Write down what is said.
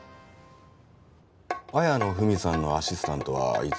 綾野文さんのアシスタントはいつ頃から？